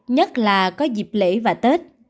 nhất là có dịp lễ và tết